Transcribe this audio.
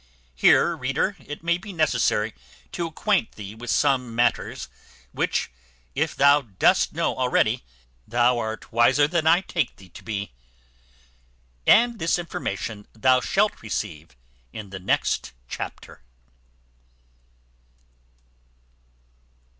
Here, reader, it may be necessary to acquaint thee with some matters, which, if thou dost know already, thou art wiser than I take thee to be. And this information thou shalt receive in the next chapter.